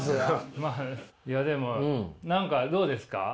いやでも何かどうですか？